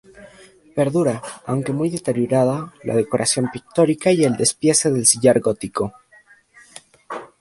Perdura, aunque muy deteriorada, la decoración pictórica y el despiece del sillar gótico.